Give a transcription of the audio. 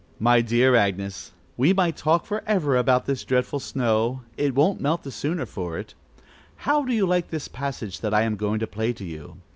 "My dear Agnes, we might talk for ever about this dreadful snow, it won't melt the sooner for it: how do you like this passage that I am going to play to you?